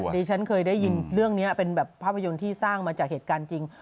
ดิฉันเคยได้ยินเรื่องนี้เป็นแบบภาพยนตร์ที่สร้างมาจากเหตุการณ์จริง